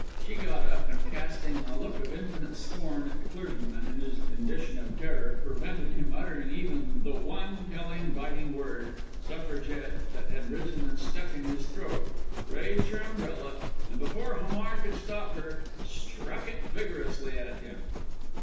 She got up, and casting a look of infinite scorn at the clergyman whose condition of terror prevented him uttering even the one telling, biting word Suffragette that had risen and stuck in his throat raised her umbrella, and, before Hamar could stop her, struck it vigorously at him.